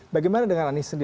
bagaimana dengan anies sendiri